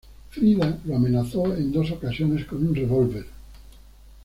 Frida lo amenazó en dos ocasiones con un revólver.